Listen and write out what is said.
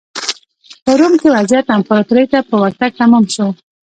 په روم کې وضعیت امپراتورۍ ته په ورتګ تمام شو.